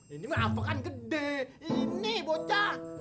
ini mah apa kan gede ini bocah